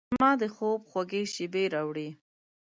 غرمه د خوب خوږې شېبې راوړي